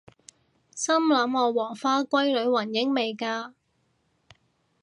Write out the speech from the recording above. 心諗我黃花閨女雲英未嫁！？